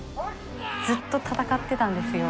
ずっと戦ってたんですよ。